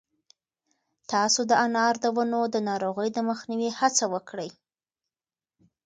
تاسو د انار د ونو د ناروغیو د مخنیوي هڅه وکړئ.